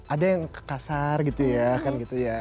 ada yang kasar gitu ya kan gitu ya